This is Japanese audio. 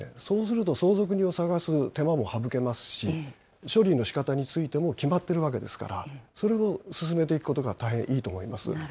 そうすると相続人を探す手間も省けますし、処理のしかたについても決まっているわけですから、それを進めていくことが大変いいと思います。